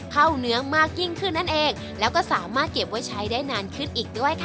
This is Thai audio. เนื้อมากยิ่งขึ้นนั่นเองแล้วก็สามารถเก็บไว้ใช้ได้นานขึ้นอีกด้วยค่ะ